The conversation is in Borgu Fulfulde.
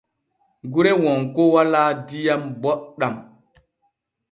Gure Wonko walaa diyam booɗam.